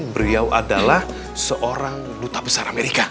beliau adalah seorang duta besar amerika